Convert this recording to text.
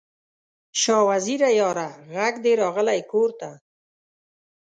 شاه وزیره یاره، ږغ دې راغلی کور ته